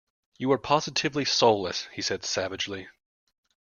You are positively soulless, he said savagely.